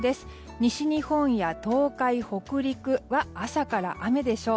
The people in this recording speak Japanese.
西日本や東海・北陸は朝から雨でしょう。